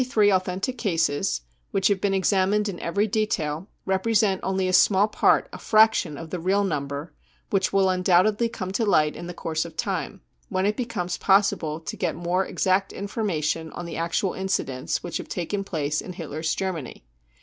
55 These 43 authentic cases, which have been examined in every detail, represent only a small part, a fraction, of the real number, which will undoubtedly come to light in the course of time, when it becomes pos sible to get more exact information on the actual incidents which have taken place in Hitler's Germany.